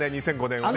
２００５年は。